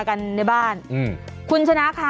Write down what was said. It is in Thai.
โอ้โหโอ้โหโอ้โหโอ้โห